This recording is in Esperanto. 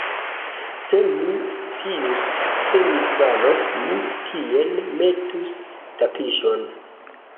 Se mi scius, kie mi falos, mi tien metus tapiŝon.